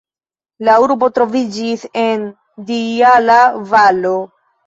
La urbo troviĝis en Dijala-valo.